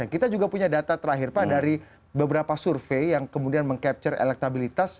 kita juga punya data terakhir pak dari beberapa survei yang kemudian meng capture elektabilitas